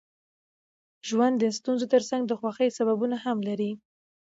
ژوند د ستونزو ترڅنګ د خوښۍ سببونه هم لري.